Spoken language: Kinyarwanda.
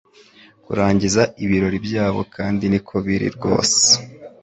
Kurangiza ibirori byabo kandi niko biri rwose